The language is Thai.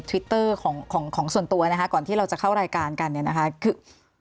วิตเตอร์ของของส่วนตัวนะคะก่อนที่เราจะเข้ารายการกันเนี่ยนะคะคือ